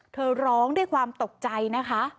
ร้องด้วยความตกใจนะคะ